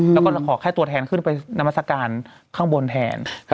แล้วก็ขอแค่ตัวแทนขึ้นไปนามัศกาลข้างบนแทน